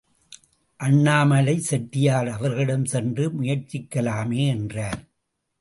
அண்ணாமலை செட்டியார் அவர்களிடம் சென்று முயற்சிக்கலாமே என்றார்.